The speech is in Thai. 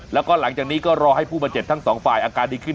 แล้วก็หลังจากนี้ก็รอให้ผู้บาดเจ็บทั้งสองฝ่ายอาการดีขึ้น